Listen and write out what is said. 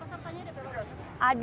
berapa banyak ada